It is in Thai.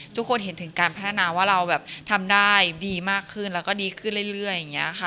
ทุกคนเห็นถึงการพัฒนาว่าเราแบบทำได้ดีมากขึ้นแล้วก็ดีขึ้นเรื่อยอย่างนี้ค่ะ